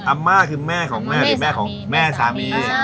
อำม่าคือแม่ของแม่หรือแม่สามี